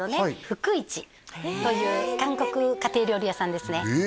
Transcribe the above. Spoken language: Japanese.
福一という韓国家庭料理屋さんですね